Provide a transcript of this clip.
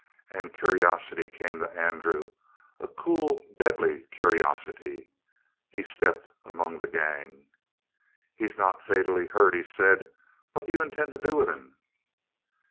And curiosity came to Andrew, a cool, deadly curiosity. He stepped among the gang. "He's not fatally hurt," he said. "What d'you intend to do with him?"